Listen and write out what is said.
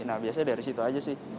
nah biasanya dari situ aja sih